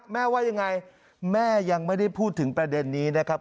ว่ายังไงแม่ยังไม่ได้พูดถึงประเด็นนี้นะครับ